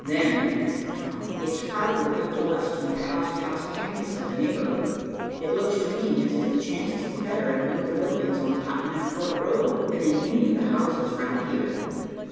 "Then," said Tom, "it's probably up to us to make a house to house canvass of the neighborhood. It looks to me as if the chances were better in one of the buildings on Tottenham Court Road than in any of the houses round here."